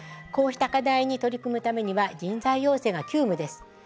こうした課題に取り組むためには人材養成が急務です。